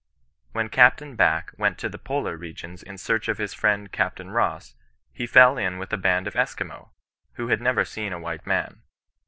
^ When Capt. Back went to the Polar regions in search of his friend Capt. Ross, he fell in with a band of the Esquimaux, who had never seen a white man.